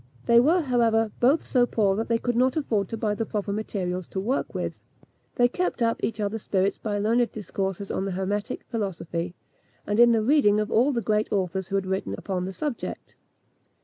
They were, however, both so poor that they could not afford to buy the proper materials to work with. They kept up each other's spirits by learned discourses on the hermetic philosophy, and in the reading of all the great authors who had written upon the subject.